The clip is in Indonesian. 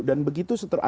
dan begitu seterusnya